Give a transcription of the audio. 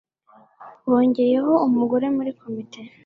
Bongeyeho umugore muri komite.